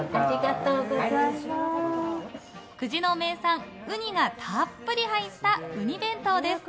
久慈の名産ウニがたっぷり入ったうに弁当です。